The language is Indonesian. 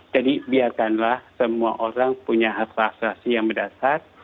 jadi biarkanlah semua orang punya hasil vaksinasi yang berdasar